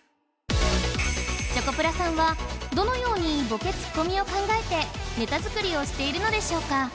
チョコプラさんはどのようにボケツッコミを考えてネタ作りをしているのでしょうか？